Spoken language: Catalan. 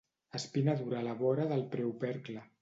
Espina dura a la vora del preopercle.